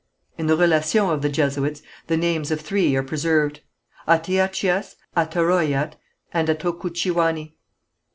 In the Relations of the Jesuits the names of three are preserved: Ateiachias, Atarohiat, and Atokouchioüani.